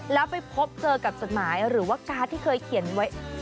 แล้วไปพบเจอกับจดหมายหรือว่าการ์ดที่เคยเขียนไว้